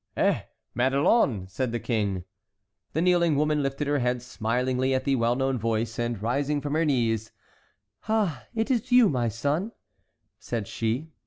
"Eh, Madelon!" said the King. The kneeling woman lifted her head smilingly at the well known voice, and rising from her knees,— "Ah! it is you, my son," said she.